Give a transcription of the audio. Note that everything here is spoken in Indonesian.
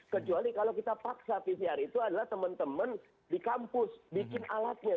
kecuali kalau kita paksa pcr itu adalah teman teman di kampus bikin alatnya